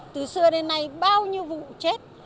từ xưa đến nay bao nhiêu vụ chết